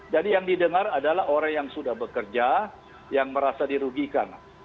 jadi yang didengar adalah orang yang sudah bekerja yang merasa dirugikan